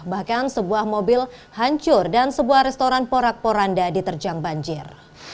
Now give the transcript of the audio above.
bahkan sebuah mobil hancur dan sebuah restoran porak poranda diterjang banjir